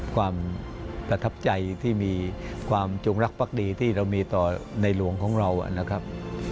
ความประทับใจที่มีความจงรักภักดีที่เรามีต่อในหลวงของเรานะครับ